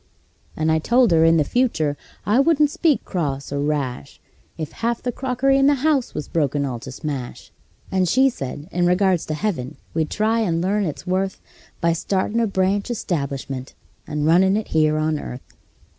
And I told her in the future I wouldn't speak cross or rash If half the crockery in the house was broken all to smash; And she said, in regards to heaven, we'd try and learn its worth By startin' a branch establishment and runnin' it here on earth.